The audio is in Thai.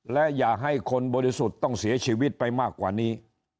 และอย่าให้คนบริสุทธิ์ต้องเสียชีวิตไปมากกว่านี้